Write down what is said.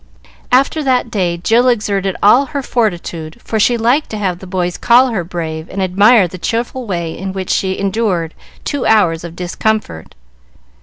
After that day Jill exerted all her fortitude, for she liked to have the boys call her brave and admire the cheerful way in which she endured two hours of discomfort.